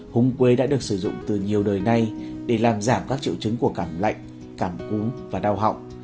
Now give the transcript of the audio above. hống quế đã được sử dụng từ nhiều đời nay để làm giảm các triệu chứng của cảm lạnh cảm cúm và đau họng